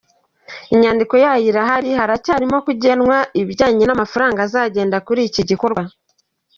"Inyandiko yayo irahari, haracyarimo kugena ibijyanye n’amafaranga azagenda kuri iki gikorwa.